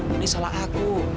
ini salah aku